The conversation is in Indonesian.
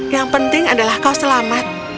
yang penting adalah kau selamat